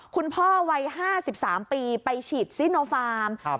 คุณพ่อวัยห้าสิบสามปีไปฉีดซิโนฟาร์มครับ